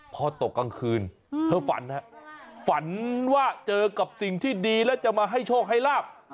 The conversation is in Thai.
พอตกกลางคืนเธอฝันฮะฝันว่าเจอกับสิ่งที่ดีแล้วจะมาให้โชคให้ลาบ